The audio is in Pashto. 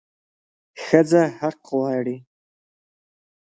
ښځه حق غواړي